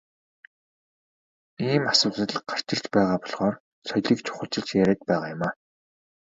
Ийм асуудал гарч ирж байгаа болохоор соёлыг чухалчилж яриад байгаа юм.